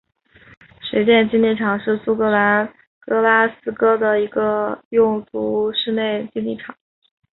水电竞技场是苏格兰格拉斯哥的一个多用途室内竞技场。